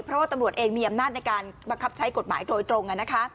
เพราะว่าตำรวจเองมีอำนาจในการบังคับใช้กฎหมายโดยตรงนะคะ